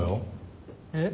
えっ？